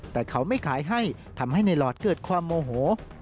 แต่เขาไม่ขายให้ทำให้ในหลอดเกิดความโมโห